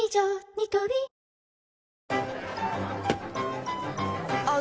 ニトリあー